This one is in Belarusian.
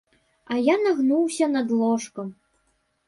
І я нагнуўся над ложкам.